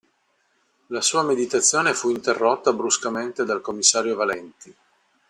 La sua meditazione fu interrotta bruscamente dal commissario Valenti.